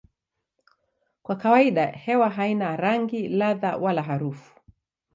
Kwa kawaida hewa haina rangi, ladha wala harufu.